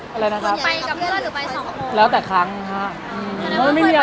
มีอุทยาติกับเพื่อนหรือไปสองคน